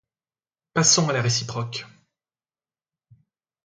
Passons à la réciproque.